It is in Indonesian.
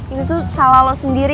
itu tuh salah lo sendiri